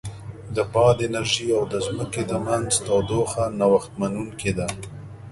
د باد انرژي او د ځمکې د منځ تودوخه نوښت منونکې ده.